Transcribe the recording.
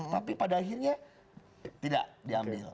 tapi pada akhirnya tidak diambil